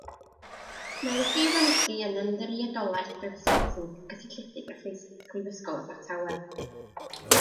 Mae wedi ei ddynodi yn ymddiriedolaeth brifysgol sy'n gysylltiedig â Phrifysgol Abertawe.